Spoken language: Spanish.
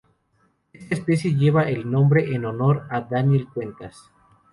Esta especie lleva el nombre en honor a Daniel Cuentas.